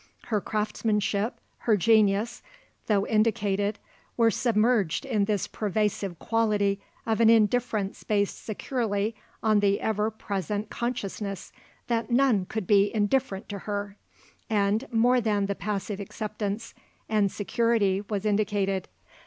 Her craftsmanship, her genius, though indicated, were submerged in this pervasive quality of an indifference based securely on the ever present consciousness that none could be indifferent to her. And more than the passive acceptance and security was indicated.